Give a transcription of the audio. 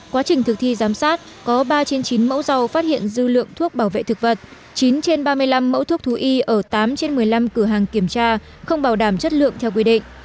quá trình thực thi giám sát có ba trên chín mẫu rau phát hiện dư lượng thuốc bảo vệ thực vật chín trên ba mươi năm mẫu thuốc thú y ở tám trên một mươi năm cửa hàng kiểm tra không bảo đảm chất lượng theo quy định